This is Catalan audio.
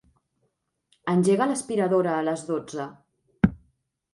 Engega l'aspiradora a les dotze.